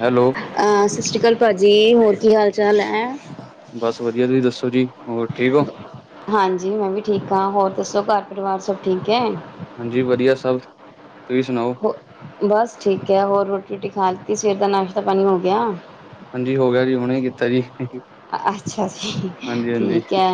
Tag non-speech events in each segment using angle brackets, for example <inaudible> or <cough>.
Hello. ਅ ਸਸ਼੍ਰੀ ਕਾਲ ਭਾਅ ਜੀ, ਹੋਰ ਕੀ ਹਾਲ ਚਾਲ ਐ? ਬੱਸ ਵਧੀਆ ਤੁਸੀਂ ਦੱਸੋ ਜੀ ਹੋਰ ਠੀਕ ਓ? ਹਾਂਜੀ, ਮੈਂ ਵੀ ਠੀਕ ਆ ਹੋਰ ਦੱਸੋ ਘਰ ਪਰਿਵਾਰ ਸਭ ਠੀਕ ਐ। ਹਾਂਜੀ ਵਧੀਆ ਸਭ, ਤੁਸੀਂ ਸੁਣਾਓ। ਹੋ ਬੱਸ ਠੀਕ ਐ, ਰੋਟੀ ਰੋਟੀ ਖਾ ਲਿੱਤੀ, ਸਵੇਰ ਦਾ ਨਾਸ਼ਤਾ ਪਾਣੀ ਹੋ ਗਿਆ। ਹਾਂਜੀ ਹੋ ਗਿਆ ਜੀ ਹੁਨੇ ਕੀਤਾ ਜੀ। ਅੱਛਾ ਜੀ, ਹਾਂਜੀ ਠੀਕ ਐ।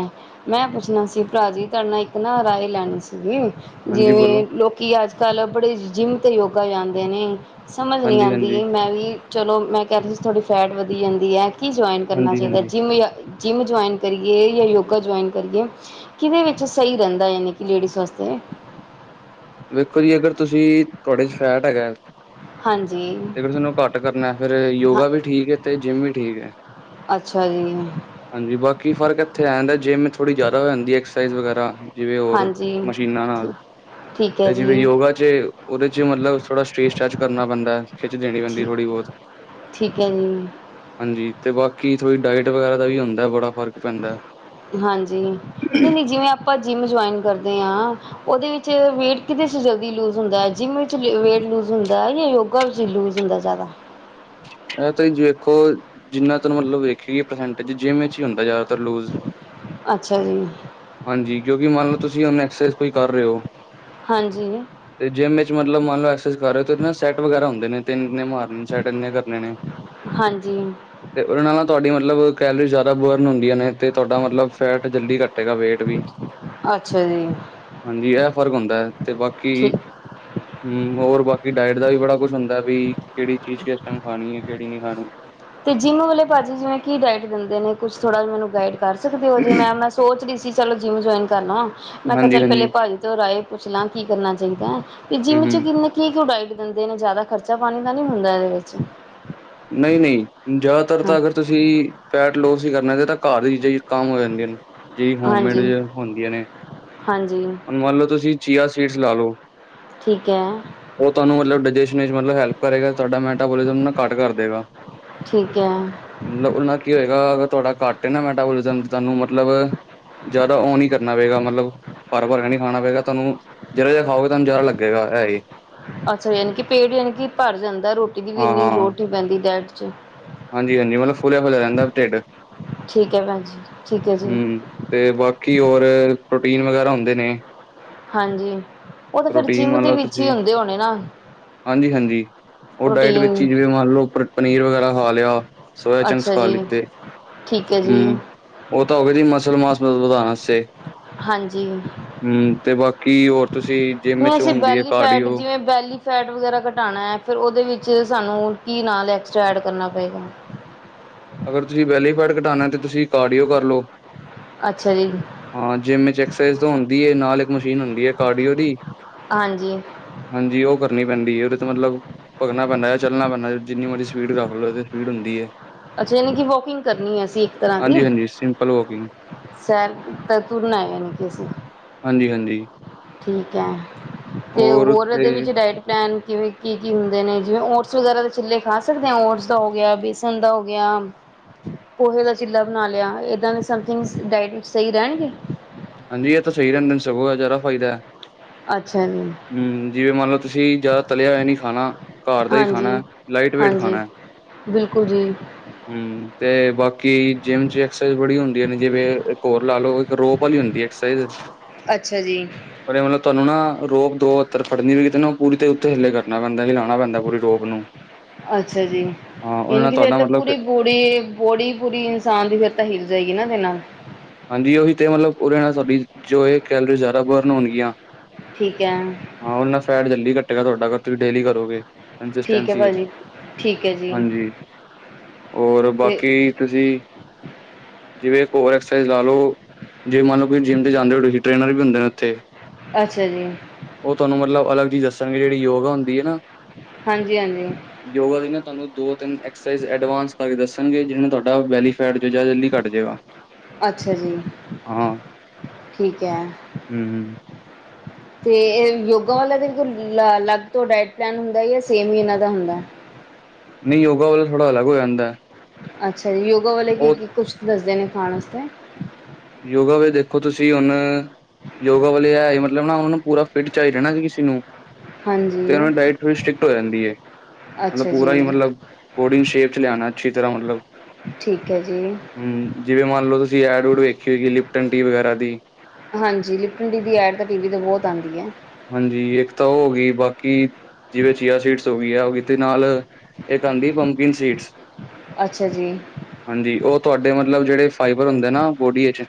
ਮੈਂ ਪੁੱਛਣਾ ਸੀ, ਭਰਾ ਜੀ ਤੁਹਾਡੇ ਨਾਲ ਇੱਕ ਨਾ ਰਾਏ ਲੈਣੀ ਸੀਗੀ ਹਾਂਜੀ ਬੋਲੋ ਜਿਵੇਂ ਲੋਕ ਕਿ ਅੱਜ-ਕੱਲ੍ਹ ਬੜੇ ਜਿੰਮ 'ਤੇ ਯੋਗਾ ਜਾਂਦੇ ਨੇ ਸਮਝ ਨਹੀਂ ਹਾਂਜੀ ਹਾਂਜੀ ਆਂਦੀ ਮੈਂ ਵੀ ਚਲੋ ਮੈਂ ਕਹਿ ਰਹੀ ਸੀ ਤੁਹਾਡੀ ਫੈਟ ਵਧੀ ਜਾਂਦੀ ਐ, ਕੀ ਜੁਆਇਨ ਕਰਨਾ ਹਾਂਜੀ ਚਾਹੀਦਾ? ਹਾਂਜੀ ਜਾ ਜਿੰਮ ਜੋੁਆਇਨ ਕਰੀ ਜਾਂ ਯੋਗਾ ਜੁਆਇਨ ਕਰੀਏ? ਕਿਹਦੇ ਵਿੱਚ ਸਹੀ ਰਹਿੰਦਾ, ਯਾਨੀ ਕਿ ਲੇਡੀਜ਼ ਵਾਸਤੇ ਵੇਖੋ ਜੀ, ਅਗਰ ਤੁਸੀਂ ਤੁਹਾਡੇ ' ਫਲੈਟ ਹੈਗਾ ਹਾਂਜੀ। ਤੇ ਅਗਰ ਤੁਹਾਨੂੰ ਘੱਟ ਕਰਨਾ, ਫਿਰ ਹਾਂ ਯੋਗਾ ਵੀ ਠੀਕ ਐ 'ਤੇ ਜਿੰਮ ਵੀ ਠੀਕ ਐ। ਅੱਛਾ ਜੀ। ਹਾਂਜੀ, ਬਾਕੀ ਫਰਕ ਇੱਥੇ ਆ ਜਾਂਦਾ ਜਿੰਮ ਥੋੜ੍ਹੀ ਜ਼ਿਆਦਾ ਜਾਂਦੀ ਐਕਸਾਈਜ਼ ਵਗੈਰਾ ਜਿਵੇਂ ਹੋਰ ਹਾਂਜੀ ਮਸ਼ੀਨਾਂ ਨਾਲ ਠੀਕ ਠੀਕ ਹੈ 'ਤੇ ਜਿਵੇਂ ਜੀ ਯੋਗਾ 'ਚ' ਉਹਦੇ 'ਚ' ਮਤਲਬ ਥੋੜਾ ਸਟੇਜ ਸਟੈਚ ਕਰਨਾ ਪੈਂਦਾ, ਖਿੱਚ ਦੇਣੀ ਪੈਂਦੀ ਠੀਕ ਥੋੜ੍ਹੀ ਬਹੁਤ ਠੀਕ ਐ ਜੀ। ਹਾਂਜੀ, 'ਤੇ ਬਾਕੀ ਥੋੜੀ ਡਾਇਟ ਵਗੈਰਾ ਦਾ ਵੀ ਹੁੰਦਾ ਬੜਾ ਫਰਕ ਹਾਂਜੀ, ਇਹ ਨਹੀਂ-ਨਹੀਂ ਜਿਵੇਂ ਆਪਾਂ ਜਿੰਮ ਜੁਆਇਨ ਕਰਦੇ ਆ। ਉਹਦੇ ਵਿੱਚ ਵੇਟ ਕਿਦੇ 'ਚ ਜਲਦੀ ਲੂਜ ਏ ਜਿੰਮ ਵਿੱਚ ਵੇਟ ਲੂਜ ਏ ਜਾਂ ਯੋ- ਗਾ‌ ਵਿਚ ਲੂਜ ਹੁੰਦਾ ਦਾ ਜ਼ਿਆਦਾ। ਐ ਤਾਂ ਜੀ ਵੇਖੋ। ਜਿੰਨਾ 'ਤ ਮਤਲਬ ਵੇਖਿਏ ਪ੍ਰਸੈਂਟ 'ਚ ਜਿੰਮ ਵਿੱਚ ਹੀ ਹੁੰਦਾ ਜ਼ਿਆਦਾਤਰ ਲੂਜ਼। ਅੱਛਾ ਜੀ। ਹਾਂਜੀ, ਕਿਉਕਿ ਮੰਨ ਲਓ ਤੁਸੀਂ ਹੁਣ ਐਕਸਰਸਾਈਜ਼ ਕੋਈ ਕਰ ਰਹੇ ਹੋ। ਹਾਂਜੀ। 'ਤੇ ਜਿੰਮ ਮਤਲਬਨ ਲਓ ਐਕਸਾਈਜ਼ ਕਰ ਰਹੇ ਹੋ ਉਦੇ ਨਾ ਸੈਟ ਵਗੈਰਾ ਹੁੰਦੇ ਨੇ ਤਿੰਨ ਮਾਰਨੇ ਸੈਟ ਇੰਨੇ ਕਰਨੇ। ਹੁੰਨੇ। ਹਾਂਜੀ 'ਤੇ ਉਹਨਾਂ ਨਾਲ ਤੁਹਾਡੀ ਮਤਲਬ ਕੈਲਰੀ ਜ਼ਿਆਦਾ ਬਰਨ ਹੁੰਦੀਆਂ ਨੇ 'ਤੇ ਤੁਹਾਡਾ ਮਤਲਬ ਫੈਟ ਜਲਦੀ ਘੱਟ ਘਟੇਗਾ ਵੇਟ ਵੀ ਅੱਛਾ ਜੀ ਹਾਂਜੀ, ਇਹ ਫ਼ਰਕ ਹੁੰਦਾ ਏ ਤੇ ਬਾਕੀ ਠੀਕ ਹਮ, ਹੋਰ ਬਾਕੀ ਡਾਇਟ ਦਾ ਵੀ ਬੜਾ ਕੁਛ ਹੁੰਦਾ ਬਈ ਕਿਹੜੀ ਚੀਜ਼ ਕਿਸ ਟੈਮ ਖਾਣੀ ਏ, ਕਿਹੜੀ ਨੀ ਖਾਣੀ। 'ਤੇ ਜਿੰਮ ਵਾਲੇ ਭਾਜੀ ਜਿਵੇਂ ਕੀ ਡਾਇਟ ਦਿੰਦੇ ਨੇ। ਕੁਛ ਥੋੜਾ ਮੈਨੂੰ ਗਾਈਡ ਕਰ ਸਕਦੇ ਹੋ ਜੇ ਮੈਂ ਸੋਚ ਰਹੀ ਸੀ ਚਲੋ, ਜਿੰਮ ਜੁਆਇਨ ਕਰ ਲਵਾਂ। ਮੈਂ ਕਿਹਾ ਹਾਂਜੀ ਚੱਲ ਪਹਿਲੇ ਹਾਂਜੀ ਭਾਜੀ ਤੋਂ ਰਾਏ ਪੁੱਛਲਾਂ ਕੀ ਕਰਨਾ ਚਾਹੀਦਾ ਏ 'ਤੇ ਹਮ ਜਿੰਮ ਹਮ 'ਚ ਕਿੰਨੇ‌ ਕੀ ਕੂ ਡਾਇਟ ਦਿੰਦੇ ਨੇ ਜ਼ਿਆਦਾ ਖਰਚਾ ਪਾਣੀ ਦਾ ਨੀ ਹੁੰਦਾ ਇਹਦੇ ਵਿੱਚ। ਨਹੀਂ-ਨਹੀਂ, ਜਿਆਦਾਤਰ ਹਾਂ ਤਾਂ ਅਗਰ ਤੁਸੀ ਤੁਸੀ ਫੈਟ ਲੋਸ ਹੀ ਕਰਨਾ ਤਾਂ ਘਰ ਦੀ ਚੀਜ਼ਾਂ ਕਮ ਹੋ ਜਾਂਦੀਆਂ ਨੇ। ਜੀ ਹੋਮਮੇਡ ਹਾਂਜੀ ਹੁੰਦੀਆਂ ਨੇ। ਹਾਂਜੀ ਹੁਣ ਮੰਨ ਲਓ ਤੁਸੀਂ ਚੀਆ ਸੀਟਸ ਲਾ ਲਓ। ਠੀਕ ਐ। ਉਹ ਤੁਹਾਨੂੰ ਮਤਲਬ ਡਾਇਜੈਸ਼ਨ ਵਿੱਚ ਮਤਲਬ ਹੈਲਪ ਕਰੇਗਾ ਤੁਹਾਡਾ ਮੈਟਾਬੋਲਿਜ਼ਮ ਨਾ ਘੱਟ ਕਰ ਦੇਗਾ। ਠੀਕ ਐ। ਮਤਲਬ ਉਹਦੇ ਨਾਲ ਕੀ ਹੋਏਗਾ ਅਗਰ ਤੁਹਾਡਾ ਘੱਟ ਹੈ ਨਾ ਮੈਟਾਬੋਲਿਜ਼ਮ ਤੁਹਾਨੂੰ ਮਤਲਬ ਜ਼ਿਆਦਾ ਉਹ ਨੀ ਕਰਨਾ ਪਏਗਾ ਮਤਲਬ ਭਰ-ਭਰ ਕੇ ਨੀ ਖਾਣਾ ਪਏਗਾ ਤੁਹਾਨੂੰ। ਜਰਾ ਜਿਹਾ ਖਾਓਗੇ ਤੁਹਾਨੂੰ ਜ਼ਿਆਦਾ ਲੱਗੇਗਾ ਐ ਹੀ। ਅੱਛਾ, ਯਾਨ ਕਿ ਪੇਟ ਯਾਨੀ ਕਿ ਭਰ ਜਾਂਦਾ। ਰੋਟੀ ਦੀ ਵੀ ਇੰਨੀ ਹਾਂ-ਹਾਂ, ਲੋੜ ਨਹੀਂ ਪੈਂਦੀ ਡੈਟ 'ਚ। ਹਾਂਜੀ-ਹਾਂਜੀ। ਮਲਬ ਫੁੱਲਿਆ ਫਿਲਿਆ ਰਹਿੰਦਾ ਢਿੱਡ। ਠੀਕ ਏ ਭੈਣ‌ ਜੀ। ਠੀਕ ਹੈ ਜੀ ਹਮ, 'ਤੇ ਬਾਕੀ ਹੋਰ ਪ੍ਰੋਟੀਨ ਵਗੈਰਾ ਹੁੰਦੇ ਨੇ। ਹਾਂਜੀ, ਉਹ ਤਾਂ ਫਿਰ ਪ੍ਰੋਟੀਨ ਜਿੰਮ ਮੰਨ ਦੇ ਲਓ ਵਿੱਚ ਹੀ ਤੁਸੀਂ ਹੁੰਦੇ ਹੋਣੇ ਨਾ। ਹਾਂਜੀ-ਹਾਂਜੀ। ਉਹ ਡਾਇਟ ਵਿੱਚ ਪ੍ਰੋਟੀਨ ਹੀ ਜਿਵੇਂ ਮੰਨ ਲਓ ਪਨੀਰ ਵਗੈਰਾ ਖਾ ਲਿਆ। ਸੋਇਆ ਚੰਕਸ ਅੱਛਾ ਖਾ ਜੀ ਲਿੱਤੇ ਠੀਕ ਹੈ ਜੀ ਹਮ। ਉਹ ਤਾਂ ਹੋ ਗਿਆ ਜੀ, ਮਸਲ ਮਾਸ ਮ ਵਧਾਉਣ ਵਾਸਤੇ। ਹਾਂਜੀ। ਹਮ ਤੇ ਬਾਕੀ ਹੋਰ ਤੁਸੀ ਹ ਅਸੀਂ ਬੈਲੀਫੈਟ ਜਿਵੇਂ ਬੈਲੀ ਫੈਟ ਵਗੈਰਾ ਘਟਾਉਣਾ ਏ। ਫਿਰ ਉਹਦੇ ਵਿੱਚ ਸਾਨੂੰ ਕੀ ਨਾਲ ਐਕਸਟਰਾ ਐਡ ਕਰਨਾ ਪਏਗਾ। ਅਗਰ ਤੁਸੀਂ ਵੈਲੀਫੈਡ ਘਟਾਉਣਾ ਤੇ ਤੁਸੀਂ ਕਾਰਡੀਓ ਕਰ ਲਓ। ਅੱਛਾ ਜੀ‌। ਹਾਂ ਜਿੰਮ ਵਿੱਚ ਐਕਸਰਸਾਈਜ਼ ਤਾਂ ਹੁੰਦੀ ਏ ਨਾਲ ਇੱਕ ਮਸ਼ੀਨ ਹੁੰਦੀ ਹੈ ਕਾਰਡੀਓ ਦੀ। ਹਾਂਜੀ। ਹਾਂਜੀ ਉਹ ਕਰਨੀ ਪੈਂਦੀ ਏ ਉਹਦੇ ਤਾਂ ਮਤਲਬ ਭਗਣਾ ਪੈਂਦਾ ਏ ਚੱਲਣਾ ਪੈਂਦਾ ਜਿੰਨੀ ਮਰਜ਼ੀ ਸਪੀਡ ਰੱਖ ਲਓ ਇਹ ਸਪੀਡ ਹੁੰਦੀ ਏ। ਅੱਛਾ, ਯਾਨੀ ਕਿ ਵੋਕਿੰਗ ਕਰਨੀ ਹੈ ਅਸੀਂ ਤਰ੍ਹਾਂ ਦੀ, ਹਾਂਜੀ-ਹਾਂਜੀ ਸਿੰਪਲ ਵੋਕਿੰਗ ਸੈਰ ਤਾਂ ਤੁਰਨਾ ਆ ਜਾਣੀ ਕੇ ਅਸੀਂ ਹਾਂਜੀ-ਹਾਂਜੀ। ਠੀਕ ਐ, ਅਤੇ ਔਰ ਹੋਰ ਉੱਥੇ ਇਹਦੇ ਵਿੱਚ ਡਾਇਟ ਪਲੈਨ ਕਿਵੇਂ ਕੀ-ਕੀ ਹੁੰਦੇ ਨੇ, ਜਿਵੇਂ ਓਟਸ ਵਗੈਰਾ ਦੇ ਚਿੱਲੇ ਖਾ ਸਕਦੇ ਆ, ਓਟਸ ਦਾ ਹੋ ਗਿਆ, ਬੇਸਨ ਦਾ ਹੋ ਗਿਆ। ਪੋਹੇ ਦਾ ਚੀਲਾ ਬਣਾ ਲਿਆ, ਏਦਾਂ ਦੇ ਸਮਥਿੰਗ ਡਾਇਟ ਵਿੱਚ ਸਹੀ ਰਹਿਣਗੇ। ਹਾਂਜੀ, ਇਹ ਤਾਂ ਸਹੀ ਰਹਿੰਦੇ ਦਿਨ ਸਗੋਂ ਜ਼ਾਰਦਾ ਫਾਇਦਾ ਹੈ। ਅੱਛਾ ਜੀ‌। ਹਮ, ਜਿਵੇਂ ਮੰਨ ਲਓ ਤੁਸੀਂ, ਜਿਆਦਾ ਤਲਿਆ ਹੋਇਆ ਨੀ ਖਾਣਾ। ਘਾਰ ਦਾ ਹੀ ਹਾਂਜੀ ਖਾਣਾ, ਲਾਈਟ ਵੇਟ ਹਾਂਜੀ ਖਾਣਾ। ਬਿਲਕੁਲ ਜੀ। ਹਮ ਤੇ ਬਾਕੀ ਜਿੰਮ 'ਚ' ਐਕਸਰਸਾਈਜ਼ ਬੜੀ ਹੁੰਦੀਆਂ ਨੇ ਜਿਵੇਂ ਹੋਰ ਲਾ ਲਓ ਇੱਕ ਰੋਪ ਉਹ ਨੀ ਹੁੰਦੀ ਐਕਸਾਈਜ਼ ਅੱਛਾ ਜੀ ਪਰ ਤੁਹਾਨੂੰ ਨਾ ਰੋਪ ਦੋ ਫੜਨੀ ਵੀ ਕਿਨੂੰ ਪੂਰੀ ਤੇ ਉੱਤੇ ਹਿੱਲੇ ਕਰਨਾ ਪੈਂਦਾ ਹਿਲਾਉਣਾ ਪੈਂਦਾ ਪੂਰੀ ਰੋਪ ਨੂੰ ਅੱਛਾ ਜੀ, ਹਾਂ, ਉਹਦੇ ਜਾਂਨੀ ਨਾਲ ਕੇ ਫਿਰ ਤੁਹਾਡਾ ਤਾਂ ਮਤਲਬ ਕਿ ਪੂਰੀ ਪੂਰੀ ਬੋੜੀ ਪੂਰੀ, ਇਨਸਾਨ ਦੀ ਫਿਰ ਤਾਂ ਹਿਲ ਜਾਏਗੀ ਨਾ ਇਹ ਨਾਲ ਹਾਂਜੀ, ਉਹੀ ਤੇ ਮਤਲਬ ਉਹਦੇ ਨਾਲ ਸਾਡੀ ਜੋ ਇਹ ਕੈਲਰੀ ਜ਼ਿਆਦਾ ਬਰਨ ਹੋਣਗੀਆਂ ਠੀਕ ਐ। ਹਾਂ, ਉਹ ਨਾਲ ਫੈਟ ਜਲਦੀ ਕੱਟੇਗਾ ਤੁਹਾਡਾ ਕਰ ਤੁਸੀਂ ਡੇਲੀ ਕਰੋਗੇ। ' <unintelligible> ' ਠੀਕ ਹੈ ਭਾਜੀ ਠੀਕ ਹੈ ਜੀ ਹਾਂਜੀ ਹੋਰ ਤੇ ਬਾਕੀ। ਤੁਸੀਂ ਜਿਵੇ ਕੋਰ ਫਿਰ ਲਾ ਲਓ, ਜੇ ਮੰਨ ਲਓ ਜਿੰਮ ਤੇ ਜਾਂਦੇ, ਉ ਸੀ ਟ੍ਰੇਨਰ ਵੀ ਹੁੰਦੇ ਨੇ ਉੱਥੇ ਅੱਛਾ ਜੀ। ਉਹ ਤੁਹਾਨੂੰ ਮਤਲਬ ਅਲੱਗ ਚੀਜ਼ ਦੱਸਾਂਗੇ ਜਿਹੜੀ ਯੋਗਾ ਹੁੰਦੀ ਐ ਨਾ ਹਾਂਜੀ-ਹਾਂਜੀ। ਯੋਗਾ ਦੀ ਨਾ ਤੁਹਾਨੂੰ ਦੋ, ਤਿੰਨ ਐਕਸਰਸਾਈਜ਼ ਐਡਵਾਂਸ ਕਰਕੇ ਦੱਸਣਗੇ ਜਿਹੇ ਨੇ ਤੁਹਾਡਾ ਵੈਲੀ ਫੈਟ ਜ ਜਾ ਜਲਦੀ ਘੱਟ ਜੇਗਾ। ਅੱਛਾ ਜੀ, ਠੀਕ ਐ। ਹਮ। ਤੇ ਇਹ ਯੋਗਾ ਵਾਲਾ ਦਿਨ ਕੋ ਅਲੱਗ ਤੋਂ ਡਾਇਟ ਪਲੈਨ ਹੁੰਦਾ ਜਾਂ ਸੇਮ ਹੀ ਇਹਨਾਂ ਦਾ ਹੁੰਦਾ ਨਹੀਂ ਯੋਗਾ ਵ ਵਾਲਾ ਥੋੜ੍ਹਾ ਅਲੱਗ ਹੋ ਜਾਂਦਾ। ਅੱਛਾ ਜੀ, ਯੋਗਾ ਵਾਲੇ ਉਹ ਕੀ-ਕੀ ਕੁਛ ਦੱਸਦੇ ਨੇ ਖਾਣ ਆਸਤੇ ਯੋਗਾ ਵਿੱਚ ਦੇਖੋ ਤੁਸੀਂ ਹੁਣ ਯੋਗਾ ਵਾਲੇ ਐ ਮਤਲਬ ਨਾ ਉਹ ਨੂੰ ਪੂਰਾ ਫਿਟ ਚਾਹੀਦਾ ਨਾ ਕਿਸੇ ਨੂੰ ਤੇ ਹਾਂਜੀ ਉਹਨਾਂ ਡਾਇਟ ਥੌੜੀ ਸਟ੍ਰਿਕਟ ਹੋ ਜਾਂਦੀ ਏ। ਅੱਛਾ ਪੂਰਾ ਹੀ ਜੀ ਮਤਲਬ, ਬੌਡੀ ਸ਼ੇਪ 'ਚ' ਲਿਆਣਾ ਅੱਛੀ ਤਰ੍ਹਾਂ ਮਤਲਬ ਠੀਕ ਐ ਜੀ। ਹਮ ਜਿਵੇਂ ਮੰਨ ਲਓ ਤੁਸੀਂ ਐਡ ਡ ਵੇਖੀ ਹੋਗੀ ਲਿਪਟਨ ਟੀ ਵਗੈਰਾ ਦੀ ਹਾਂਜੀ, ਲਿਪਟਨ ਡੀ ਦੀ ਐਡ ਤਾਂ ਟੀ ਵੀ ਤੋਂ ਬਹੁਤ ਆਂਦੀ ਐ। ਹਾਂਜੀ, ਇੱਕ ਤਾਂ ਉਹ ਹੋ ਗਈ। ਬਾਕੀ ਜਿਵੇਂ ਚੀਆ ਸੀਟਸ ਹੋ ਗਈ ਆ ਹੋ ਗਈ ਤੇ ਨਾਲ ਇੱਕ ਆਂਦੀ ਪੰਕੀਨ ਸੀਟਸ, ਅੱਛਾ ਜੀ ਹਾਂਜੀ ਉਹ ਤੁਹਾਡੇ ਮਤਲਬ ਜਿਹੜੇ ਫਾਈਬਰ ਹੁੰਦੇ ਨਾ ਬੋਡੀ ਵਿੱਚ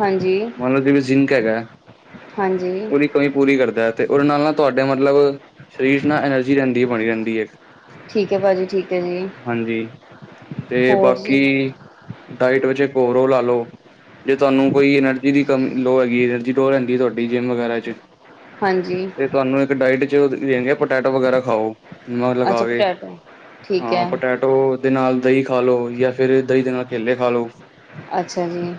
ਹਾਂਜੀ ਮੰਨ ਲੋ ਜਿਵੇ ਜਿਨਕ ਐਗਾ, ਹਾਂਜੀ ਉਹ ਕ ਪੂਰੀ ਕਰਦਾ ਤੇ ਉਹਦੇ ਨਾਲ-ਨਾਲ ਤੁਹਾਡੇ ਮਤਲਬ ਸਰੀਰ ਨਾਲ ਐਨਰਜੀ ਰਹਿੰਦੀ ਬਣੀ ਰਹਿੰਦੀ ਐ ਠੀਕ ਏ ਹਾਂਜੀ ਤੇ ਹੋਰ ਬਾਕੀ ਜੀ ਡਾਇਟ ਵਿੱਚ ਕੋਰੋ ਲਾਲੋ ਜੇ ਤੁਹਾਨੂੰ ਕੋਈ ਐਨਰਜੀ ਦੀ ਕਮ ਲੋਹ ਹੈਗੀ ਟੋਹ ਰਹਿੰਦੀ ਏ। ਤੁਹਾਡੀ ਜਿੰਮ ਵਗੈਰਾ ਚ ਹਾਂਜੀ। ਤੇ ਤੁਹਾਨੂੰ ਇੱਕ ਡਾਇਟ 'ਚ ਦਿੰਦੀ ਆ। ਪਟੈਟੋ ਵਗੈਰਾ ਖਾਓ। ਨਮਕ ਅੱਛਾ ਲਗਾ ਕੇ ਪਟੈਟੋ ਠੀਕ ਹਾਂ ਹੈ। ਪਟਾ- ਦੇ ਦਹੀਂ ਖਾਲੋ ਜਾਂ ਫਿਰ ਦਹੀਂ ਦੇ ਨਾਲ ਕੇਲੇ ਖਾਲੋ। ਅੱਛਾ ਜੀ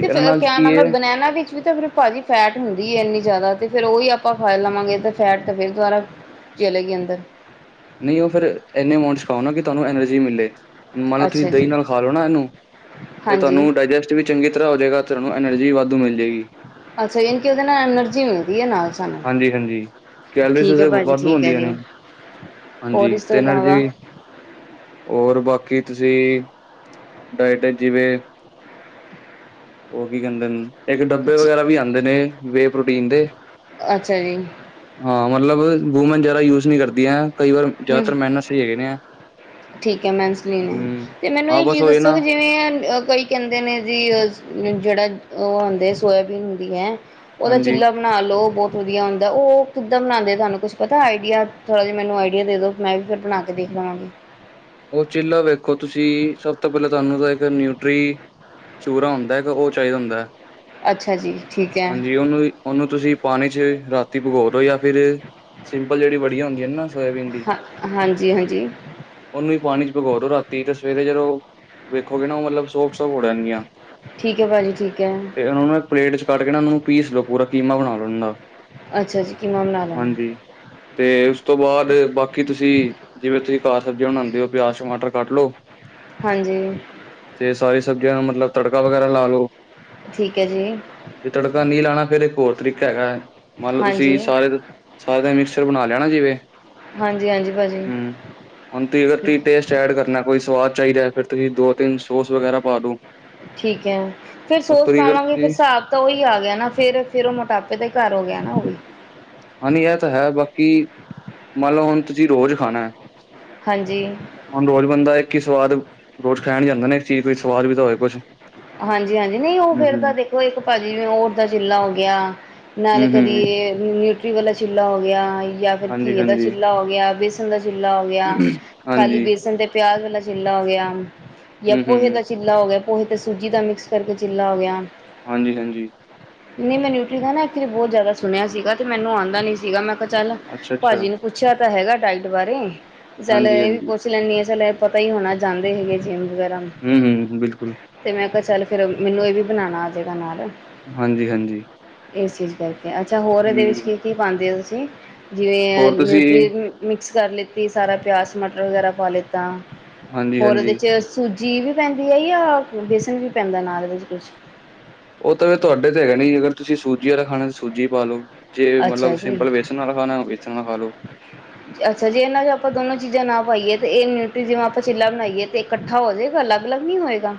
ਤੇ ਫਿਰ ਨਾਲ ਕਿਆ ਕੀ ਨਾਮ। ਹੈ ਬਨੈਨਾ ਵਿੱਚ ਵੀ ਤਾਂ ਫਿਰ ਭਾਜੀ ਫੈਟ ਹੁੰਦੀ ਏ ਇੰਨੀ ਜ਼ਿਆਦਾ ਤੇ ਫਿਰ ਉਹੀ ਆਪਾਂ ਖਾ ਲਵਾਂਗੇ ਤੇ ਫੈਟ ਤਾਂ ਫਿਰ ਦੁਬਾਰਾ ਚਲੇ ਗਏ ਅੰਦਰ। ਨਹੀਂ ਫਿਰ ਇੰਨੇ ਅਮਾਊਟ ਚ ਖਾਓ ਨਾ। ਕਿ ਤੁਹਾਨੂੰ ਐਨਰਜੀ ਮਿਲੇ। ਮੰਨ ਲਓ ਤੁਸੀਂ ਅੱਛਾ ਦਹੀਂ ਜੀ ਨਾਲ ਖਾ ਲਓ ਨਾ ਇਹਨੂੰ ਤੇ ਹਾਂਜੀ। ਤੁਹਾਨੂੰ ਡਾਇਜੈਸਟ ਵੀ ਚੰਗੀ ਤਰ੍ਹਾਂ ਹੋ ਜਾਵੇਗਾ ਅਤੇ ਤੁਹਾਨੂੰ ਐਨਰਜੀ ਵੀ ਵਾਧੂ ਮਿਲ ਜਾਏਗੀ। ਅੱਛਾ ਯ ਕਿ ਉਹਦੇ ਐਨਰਜੀ ਮਿਲਦੀ ਏ ਨਾਲ। ਸਾਨੂੰ ਹਾਂਜੀ-ਹਾਂਜੀ। ਕੈਲਰੀਜ਼ ਠੀਕ ਐ ਭਾਜੀ ਵਾਧੂ ਠੀਕ ਐ ਹੁੰਦੀਆਂ ਜੀ। ਨੇ। ਹਾਂਜੀ ਹੋਰ ਇਸ ਤੋਂ ਤੇ ਇਲਾਵਾ ਨਰਜੀ ਹੋਰ ਬਾਕੀ ਤੁਸੀਂ ਡਾਇਟ ਜਿਵੇਂ ਉਹ ਕੀ ਕਹਿੰਦੇ ਨੇ। ਇੱਕ ਡੱਬੇ ਜੀ, ਵਗੈਰਾ ਵੀ ਆਦੇ ਨੇ ਵੇ ਪ੍ਰੋਟੀਨ ਦੇ। ਅੱਛਾ ਜੀ। ਹਾਂ ਮਤਲਬ ਵੂਮੈਨ ਜ਼ਿਆਦਾ ਯੂਜ ਨਹੀਂ ਕਰਦੀਆ। ਕਈ ਵਾਰ ਹੂੰ। ਜ਼ਿਆਦਾਤਰ ਮੈਨ ਸਹੀ ਹੈਗੇ ਨੇ। ਠੀਕ ਏ ਮੈਨਸਲੀਨ ਏ ਹੂੰ, ਤੇ ਮੈਨੂੰ ਹਾਂ ਇਹ ਬਸ ਚੀਜ਼ ਉਹੀ ਦੱਸੋ ਨਾ ਕਿ ਜਿਵੇਂ ਕਈ ਕਹਿੰਦੇ ਨੇ ਜੀ ਅਹ ਜਿਹੜਾ ਉਹ ਆਦੇ ਆ ਸੋਇਆਬੀਨ ਹੁੰਦੀ ਏ। ਉਹਦਾ ਹਾਂਜੀ, ਚਿੱਲਾ ਬਣਾ ਲਓ ਬਹੁਤ ਵਧੀਆ ਹੁੰਦਾ। ਉਹ ਕਿੱਦਾਂ ਬਣਾਦੇ ਆ। ਤੁਹਾਨੂੰ ਕੁੱਛ ਪਤਾ ਆਈਡੀਆ ਥੋੜਾ ਜ ਮੈਨੂੰ ਵਧੀਆ ਦੇ ਦੋ ਮੈਂ ਵੀ ਫਿਰ ਬਣਾ ਕੇ ਦੇਖ ਲਵਾਂਗੀ। ਉਹ ਚਿੱਲਾ ਵੇਖੋ ਤੁਸੀ ਸਭ ਤੋਂ ਪਹਿਲਾਂ ਤੁਹਾਨੂੰ ਤਾਂ ਇੱਕ ਨਿਊਟਰੀ ਚੂਰਾ ਹੁੰਦਾ ਹੈਗਾ ਉਹ ਚਾਹੀਦਾ ਹੁੰਦਾ। ਅੱਛਾ ਜੀ ਠੀਕ ਹੈ ਹਾਂਜੀ ਉਹਨੂੰ ਉਹਨੂੰ ਤੁਸੀ ਪਾਣੀ 'ਚ ਰਾਤੀ ਭਗੋ ਦੋ ਜਾਂ ਫਿਰ ਸਿੰਪਲ ਜਿਹੜੀ ਵੜੀਆ ਹੁੰਦੀ ਨਾ ਸੋਇਆਬੀਨ ਦੀ। ਹਾਂ, ਹਾਂਜੀ-ਹਾਂਜੀ। ਉਹਨੂੰ ਵੀ ਪਾਣੀ ਚ ਭਗੋ ਦੋ ਰਾਤੀ ਤੇ ਸਵੇਰੇ ਜਦ ਉਹ ਵੇਖੋਗੇ ਨਾ ਉਹ ਮਤਲਬ ਸੋਟ-ਸੋਪ ਹੋ ਜਾਣਗੀਆਂ। ਠੀਕ ਏ ਭਾਜੀ ਠੀਕ ਏ। ਤੇ ਉਹਨਾਂ ਨੂੰ ਇੱਕ ਪਲੇਟ ਚ ਕੱਢ ਕੇ ਨਾ। ਉਹਨਾਂ ਨੂੰ ਪੀਸ ਲੋ ਪੂਰਾ ਕੀਮਾ ਬਣਾ ਲੋ ਉਹਨਾਂ ਦਾ। ਅੱਛਾ ਜੀ ਕੀਮਾ ਬਣਾ ਲੈਣਾ। ਹਾਂਜੀ, ਤੇ ਉਸ ਤੋਂ ਬਾਅਦ ਬਾਕੀ ਤੁਸੀ ਜਿਵੇਂ ਤੁਸੀਂ ਘਰ ਸਬਜ਼ੀਆਂ ਬਣਾਉਂਦੇ ਹੋ। ਪਿਆਜ਼, ਟਮਾਟਰ ਕੱਟ ਲਓ। ਹਾਂਜੀ। ਤੇ ਸਾਰੀਆ ਸਬਜ਼ੀਆਂ ਨੂੰ ਮਤਲਬ ਤੜਕਾ ਵਗੈਰਾ ਲਾ ਲੋ। ਠੀਕ ਏ ਜੀ। ਜੇ ਤੜਕਾ ਨਹੀਂ ਲਾਣਾ ਫਿਰ ਇੱਕ ਹੋਰ ਤਰੀਕਾ ਹੈਗਾ ਹੈ ਮੰਨ ਲਓ ਹਾਂਜੀ ਤੁਸੀਂ ਸਾਰੇ ਸਾਰਾ ਦਾ ਮਿਕਸਰ ਬਣਾ ਲੈਣਾ ਜਿਵੇਂ। ਹਾਂਜੀ-ਹਾਂਜੀ ਭਾਜੀ। ਹੂੰ। ਹੁਣ ਤੁਸੀ ਅਗਰ ਤੁਸੀਂ ਟੇਸਟ ਐਡ ਕਰਨਾ। ਕੋਈ ਸਵਾਦ ਚਾਹੀਦਾ ਫਿਰ ਤੁਸੀਂ ਦੋ ਤਿੰਨ ਸੋਸ ਵਗੈਰਾ ਪਾ ਦੋ। ਠੀਕ ਏ। ਫਿਰ ਸੋਸ ਉੱਤੋਂ ਦੀ ਅਗਰ ਪਾਵਾਂਗੇ ਫਿਰ ਤੁਸੀਂ ਸਾਬ ਤਾਂ ਉਹੀ ਆ ਗਿਆ ਨਾ ਫਿਰ ਫਿਰ ਉਹ ਮੋਟਾਪੇ ਦੇ ਘਰ ਹੋ ਗਿਆ ਨਾ ਉਹ ਵੀ। ਹਾਂਜੀ ਇਹ ਤਾਂ ਏ ਬਾਕੀ, ਮੰਨ ਲਓ ਹੁਣ ਤੁਸੀਂ ਰੋਜ਼ ਖਾਣਾ। ਹਾਂਜੀ। ਹੁਣ ਰੋਜ਼ ਬੰਦਾ ਇੱਕ ਹੀ ਸਵਾਦ, ਰੋਜ਼ ਖਾਇਆ ਨੀ ਜਾਂਦਾ ਨੇ ਇੱਕ ਚੀਜ਼ ਕੋਈ ਸਵਾਦ ਵੀ ਤਾਂ ਹੋਵੇ ਕੁਛ। ਹਾਂਜੀ- ਹਾਂਜੀ। ਨਹੀਂ ਉਹ ਹੂੰ, ਫਿਰ ਹੂੰ। ਤਾਂ ਦੇਖੋ ਇੱਕ ਭਾਜੀ ਹੋਰ ਦਾ ਗਿੱਲਾ ਗਿਆ। ਨਾਲੇ ਕਦੀ ਹੂੰ-ਹੂੰ, ਨਿਊਟਰੀ ਵਾਲਾ ਚਿੱਲਾ ਹੋ ਗਿਆ ਜਾਂ ਫਿਰ ਘੀਏ ਦਾ ਹਾਂਜੀ-ਹਾਂਜੀ, ਚਿੱਲਾ ਹੋ ਗਿਆ। ਬ ਬੇਸਨ ਦਾ ਚਿੱਲਾ ਹੋ ਗਿਆ, ਖਾਲੀ ਹਾਂਜੀ, ਬੇਸਨ ਤੇ ਪਿਆਜ ਵਾਲਾ ਚਿੱਲਾ ਹੋ ਗਿਆ। ਜਾਂ ਪੋਹੇ ਹੂੰ-ਹੂੰ, ਦਾ ਚਿੱਲਾ ਹੋ ਗਿਆ, ਪੋਹੇ ਤੇ ਸੂਜੀ ਦਾ ਮਿਕਸ ਕਰਕੇ ਚਿੱਲਾ ਹੋ ਗਿਆ। ਹਾਂਜੀ- ਹਾਂਜੀ ਨਹੀਂ ਮੈ ਨਿਊਕਰੀ ਦਾ ਨਾਂ ਇੱਥੇ ਬਹੁਤ ਜ਼ਿਆਦਾ ਸੁਣਿਆ ਸੀਗਾ ਤੇ ਮੈਨੂੰ ਆਉਂਦਾ ਨ ਨਹੀਂ ਸੀਗਾ। ਮੈਂ ਚੱਲ ਅੱਛਾ-ਅੱਛਾ, ਭਾਜੀ ਨੂੰ ਪੁੱਛਿਆ ਤਾਂ ਹੈਗਾ ਡਾਇਟ ਬਾਰੇ। ਚੱਲ ਇਹ ਵੀ ਹਾਂਜੀ-ਹਾਂਜੀ, ਪੁੱਛ ਲੈਣੀ ਆ ਚੱਲ ਪਤਾ ਹੀ ਹੋਣਾ ਜਾਂਦੇ ਹੈਗੇ ਐ ਜਿੰਮ ਵਗੈਰਾ। ਹੂੰ ਹੂੰ ਬਿਲਕੁਲ। ਤੇ ਮੈਂ ਕਿਹਾ ਚੱਲ ਫੇਰ ਮੈਨੂੰ ਇਹ ਵੀ ਬਣਾਣਾ ਆਜੇਗਾ ਨਾਲ। ਹਾਂਜੀ- ਹਾਂਜੀ ਇਸ ਚੀਜ਼ ਕਰਕੇ। ਅੱਛਾ ਹੋਰ ਇਹਦੇ ਵਿੱਚ ਹੂੰ, ਕੀ- ਕੀ ਪਾਂਦੇ ਹੋ ਤੁਸੀਂ? ਜਿਵੇਂ ਹੋਰ ਤੁਸੀਂ ਨਿਊਟਰੀ ਮਿਕਸ ਕਰ ਲੈਤੀ ਸਾਰਾ ਪਿਆਜ਼, ਮਟਰ ਵਗੈਰਾ ਪਾ ਲਏ। ਤਾਂ ਹੋਰ ਹਾਂਜੀ-ਹਾਂਜੀ, ਵਿੱਚ ਸੂਜੀ ਵੀ ਪੈਂਦੀ ਐ। ਜਾਂ ਬੇਸਣ ਵੀ ਪੈਂਦਾ ਨਾਲ ਇਹਦੇ ਵਿੱਚ ਕੁਛ। ਉਹ ਤਾਂ ਤੁਹਾਡੇ ਤੇ ਹੈਗਾ ਨੀ ਜੇ ਅਗਰ ਤੁਸੀਂ ਸੂਜੀ ਆਲਾ ਖਾਣਾ ਤਾਂ ਸੂਜੀ ਪਾ ਲਓ। ਜੇ ਅੱਛਾ ਮਤਲਬ ਜੀ ਸਿੰਪਲ ਵੇਸਣ ਆਲਾ ਖਾਣਾ ਤਾਂ ਵੇਸਣ ਆਲਾ ਖਾ ਲੋ। ਅੱਛਾ ਜੇ ਇਹਨਾਂ 'ਚ ਆਪਾਂ ਦੋਨੋ ਚੀਜ਼ਾਂ ਨਾ ਪਾਈਏ। ਤੇ ਇਹ ਨਿਊਟਰੀ ਜਿਵੇਂ ਆਪਾਂ ਚਿੱਲਾ ਬਣਾਈਏ। ਤੇ ਇਕੱਠਾ ਹੋ ਜਾਏਗਾ ਅਲੱਗ- ਅਲੱਗ ਨੀ ਹੋਏਗਾ।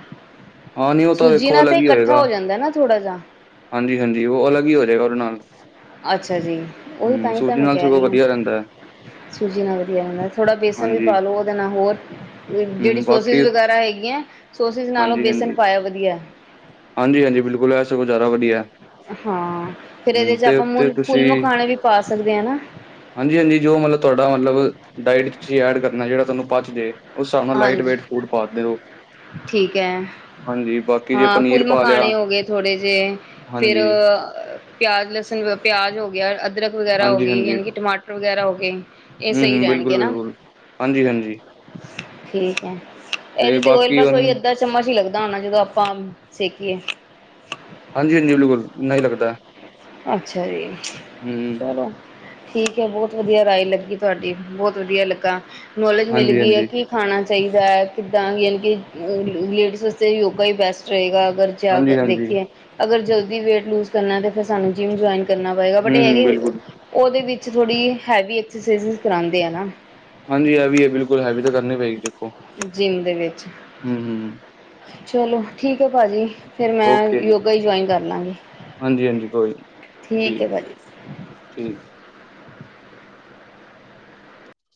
ਹਾਂ ਨੀ ਉਹ ਸੂਜੀ ਵੇਖੋ ਨਾਲ ਤਾਂ ਇਕੱਠਾ ਹੋ ਜਾਂਦਾ ਨਾ ਥੋੜਾ ਜਾ। ਹਾਂਜੀ- ਹਾਂਜੀ ਉਹ ਅਲੱਗ ਹੀ ਹੋ ਜਾਏਗਾ ਉਹਦੇ ਨਾਲ। ਅੱਛਾ ਜੀ ਉਹੀ ਤਾਂ ਹੂੰ, ਹੀ ਤਾਂ ਸੂਜੀ ਮੈਂ ਨਾਲ ਕਹਿ ਸਗੋਂ ਰਹੀ ਆ। ਵਧੀਆ ਰਹਿੰਦਾ ਹੈ, ਸੂਜੀ ਨਾਲ ਵਧੀਆ ਹੁੰਦਾ ਥੋੜ੍ਹਾ ਬੇਸਨ ਵੀ ਹਾਂਜੀ ਪਾਾਲੋ ਉਹਦੇ ਨਾਲ ਹੋਰ ਹੂੰ ਜਿਹੜੀ ਹੂੰ, ਬਾਕੀ ਸੋਸਿਸ ਵਗੈਰਾ ਹੈਗੀਆਂ, ਸੋਸਿਸ ਨਾਲੋਂ ਬੇਸਨ ਪਾਇਆ ਵਧੀਆ। ਹਾਂਜੀ- ਹਾਂਜੀ ਬਿਲਕੁਲ ਇਹ ਸਗੋਂ ਜ਼ਿਆਦਾ ਵਧੀਆ ਆ। ਹਾਂ ਫਿਰ ਇਹਦੇ 'ਚ ਆਪਾਂ ਮੁੱਲ ਫੁੱਲ ਮਖਾਣੇ ਵੀ ਸਕਦੇ ਨਾ। ਹਾਂਜੀ- ਹਾਂਜੀ ਜੋ ਮਤਲਬ ਤੁਹਾਡਾ ਮਤਲਬ ਡਾਇਟ 'ਚ ਤੁਸੀਂ ਐਡ ਕਰਨਾ ਜਿਹੜਾ ਤੁਹਾਨੂੰ ਪਚਜੇ। ਉਸ ਹਿਸਾਬ ਨਾਲ ਲਾਈਟ ਹਾਂਜੀ ਵੇਟ ਫੂਡ ਪਾ ਦਿਓ। ਠੀਕ ਹੈ ਹਾਂਜੀ ਬਾਕੀ ਜੇ ਹਾਂ ਪਨੀਰ ਫੁੱਲ ਪਾ ਲਿਆ ਮਖਾਣੇ ਹੋ ਗਏ ਥੋੜ੍ਹੇ ਜਿਹੇ। ਫਿਰ ਹਾਂਜੀ, ਪਿਆਜ, ਲਸਣ, ਪਿਆਜ ਹੋ ਗਿਆ। ਅਦਰਕ ਵਗੈਰਾ ਹੋ ਗਈ ਹਾਂਜੀ-ਹਾਂਜੀ। ਯਾਨੀ ਕਿ ਟਮਾਟਰ ਵਗੈਰਾ ਹੋ ਗਏ। ਇਹ ਸਹੀ ਰਹਿਣਗੇ ਨਾ। ਹਾਂਜੀ- ਹਾਂਜੀ ਠੀਕ ਐ ਤੇ ਇਹਦੇ ਵਿੱਚ ਉਹੀ ਬਾਕੀ ਬਸ ਹੁਣ ਉਹੀ ਚਮਚ ਹੀ ਲੱਗਦਾ ਹੋਣਾ ਜਦੋਂ ਆਪਾਂ ਸੇਕੀਏ। ਹਾਂਜੀ- ਹਾਂਜੀ ਬਿਲਕੁਲ ਇੰਨਾ ਹੀ ਲੱਗਦਾ। ਅੱਛਾ ਜੀ ਹੂੰ, ਚਲੋ। ਠੀਕ ਐ ਬਹੁਤ ਵਧੀਆ ਰਾਏ ਲੱਗੀ ਤੁਹਾਡੀ। ਬਹੁਤ ਵਧੀਆ ਲੱਗਾ। ਨੌਲੇਜ ਮਿਲ ਗਈ ਹੈ ਹਾਂਜੀ-ਹਾਂਜੀ, ਕਿ ਖਾਣਾ ਚਾਹੀਦਾ ਐ। ਕਿੱਦਾਂ ਯਾਨੀ ਕੀ ਲੇਡੀਜ਼ ਵਾਸਤੇ ਯੋਗਾ ਹੀ ਬੈਸਟ ਰਹੇਗਾ ਅਗਰ ਜ਼ਿਆਦਾਤਰ ਹਾਂਜੀ-ਹਾਂਜੀ, ਵੇਖੀਏ। ਅਗਰ ਜਲਦੀ ਵੇਟ ਲੂਜ ਕਰਨਾ ਫਿਰ ਸਾਨੂੰ ਜਿੰਮ ਜੁਆਨ ਕਰ ਕਰਨਾ ਪਏਗਾ। ਬਟ ਹੂੰ, ਇਹ ਹੈ ਹੂੰ, ਕਿ ਬਿਲਕੁਲ, ਉਹਦੇ ਵਿੱਚ ਥੋੜ੍ਹੀ ਹੈਵੀ ਐਕਸਰਸਾਇਜ ਕਰਾਂਦੇ ਆ ਨਾ। ਹਾਂਜੀ ਹੈਵੀ ਆ। ਬਿਲਕੁਲ ਹੈਵੀ ਤਾਂ ਕਰਨੀ ਪਏਗੀ ਦੇਖੋ। ਜਿੰਮ ਦੇ ਵਿੱਚ ਹੂੰ ਹੂੰ ਚਲੋ ਠੀਕ ਐ ਭਾਜੀ ਫੇਰ ਮੈਂ ਯੋਗਾ ਹੀ ਜੁਆਇਨ ਕਰ ਲਾਂਗੀ। ਹਾਂਜੀ- ਹਾਂਜੀ ਕੋਈ ਨੀ ਹੈ ਠੀਕ- ਭਾਜੀ ਠੀਕ।